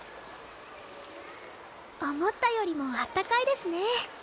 思ったよりもあったかいですね。